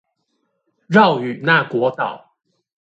繞與那國島